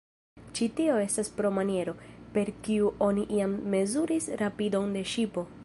Ĉi tio estas pro maniero, per kiu oni iam mezuris rapidon de ŝipo.